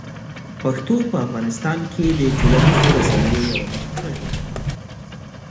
پښتو په افغانستان کې د ټولنیزو رسنیو یوه مشهوره ژبه ده.